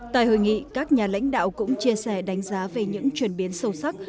tại hội nghị các nhà lãnh đạo cũng chia sẻ đánh giá về những chuyển biến sâu sắc